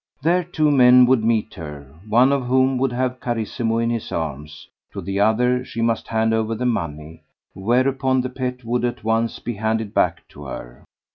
There two men would meet her, one of whom would have Carissimo in his arms; to the other she must hand over the money, whereupon the pet would at once be handed back to her.